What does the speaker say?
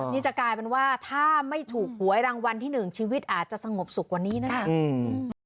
นี่จะกลายเป็นว่าถ้าไม่ถูกหวยรางวัลที่หนึ่งชีวิตอาจจะสงบสุขกว่านี้นะครับ